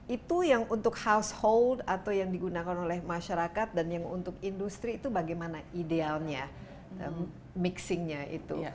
itu yang untuk household atau yang digunakan oleh masyarakat dan yang untuk industri itu bagaimana idealnya mixingnya itu